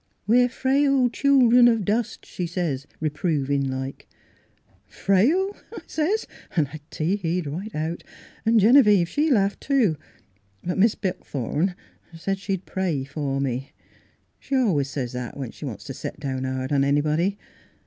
' We're frail children of dust,' she sa^^s, reprovin' like. "* Frail? ' I sez, an' teeheed right out. An' Genevieve she laughed too. But Mis' Buckthorn said she'd pray for me. She always says that when she wants to set down hard on anybody.